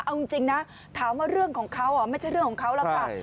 เอาจริงนะถามว่าเรื่องของเขาไม่ใช่เรื่องของเขาหรอกค่ะ